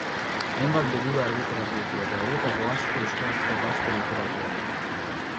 Hainbat liburu argitaratu ditu eta horietako asko euskarazko Gazte Literaturan.